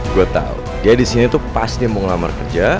gue tau dia di sini tuh pas dia mau ngelamar kerja